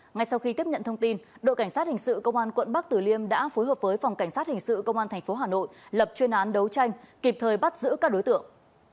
ngay sau khi tiếp nhận thông tin đội cảnh sát hình sự công an quận bắc tử liêm đã phối hợp với phòng cảnh sát hình sự công an tp hà nội lập chuyên án đấu tranh kịp thời bắt giữ các đối tượng